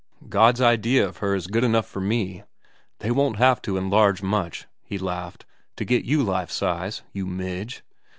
God's idea of her is good enough for me. They won't have to enlarge much,' he laughed, * to get you life size, you midge.